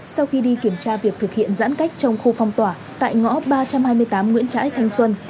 sau khi đi kiểm tra việc thực hiện giãn cách trong khu phong tỏa tại ngõ ba trăm hai mươi tám nguyễn trãi thanh xuân